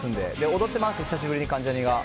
踊ってます、久しぶりに関ジャニが。